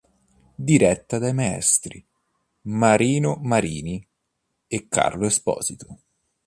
Diretta dai maestri: Marino Marini e Carlo Esposito.